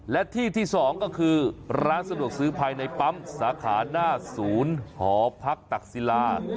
และที่ที่๒ก็คือร้านสะดวกซื้อภายในปั๊มสาขาหน้าศูนย์หอพักตักศิลา